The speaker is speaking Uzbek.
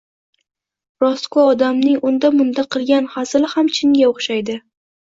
Rostgo‘y odamning unda-munda qilgan hazili ham chinga o‘xshaydi.